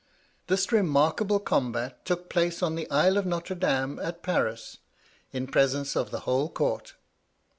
This remarkable combat took place on the isle of Notre Dame at Paris, in presence of the whole court.